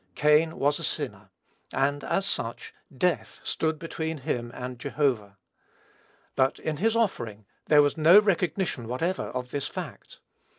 Cain was a sinner, and, as such, death stood between him and Jehovah. But, in his offering, there was no recognition whatever of this fact.